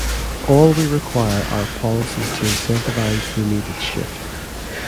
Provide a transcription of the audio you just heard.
All we require are policies to incentivize the needed shift.